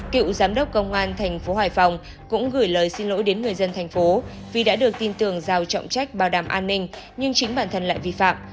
cựu giám đốc công an thành phố hải phòng cũng gửi lời xin lỗi đến người dân thành phố vì đã được tin tưởng giao trọng trách bảo đảm an ninh nhưng chính bản thân lại vi phạm